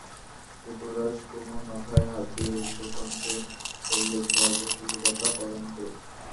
বিপ্রদাস কুমুর মাথায় হাত দিয়ে রুদ্ধকণ্ঠে বললে, সর্বশুভদাতা কল্যাণ করুন।